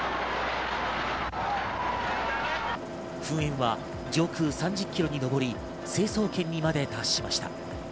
噴煙は上空３０キロに上り、成層圏にまで達しました。